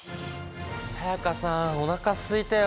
才加さんおなかすいたよ。